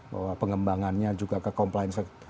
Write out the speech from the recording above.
bahwa pengembangannya juga ke compliance